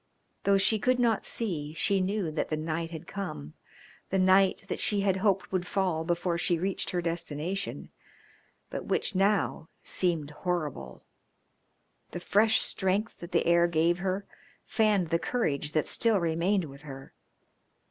Though she could not see she knew that the night had come, the night that she had hoped would fall before she reached her destination, but which now seemed horrible. The fresh strength that the air gave her fanned the courage that still remained with her.